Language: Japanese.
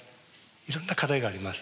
いろんな課題があります。